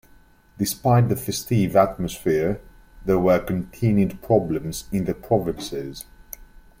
Despite the festive atmosphere, there were continued problems in the provinces.